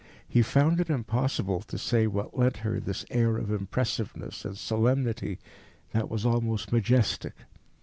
He found it impossible to say what lent her this air of impressiveness and solemnity that was almost majestic.